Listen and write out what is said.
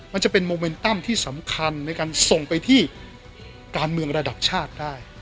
มันจะเป็นโมเมนตั้มที่สำคัญในการส่งไปที่การเมืองระดับชาติได้